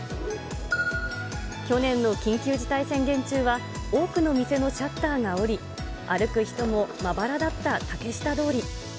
去年の緊急事態宣言中は、多くの店のシャッターが下り、歩く人もまばらだった竹下通り。